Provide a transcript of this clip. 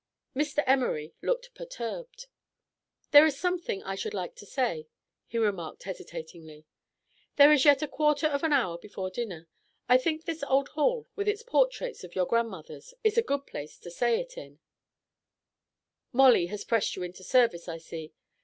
Mr. Emory looked perturbed. "There is something I should like to say," he remarked hesitatingly. "There is yet a quarter of an hour before dinner. I think this old hall with its portraits of your grandmothers is a good place to say it in " "Molly has pressed you into service, I see.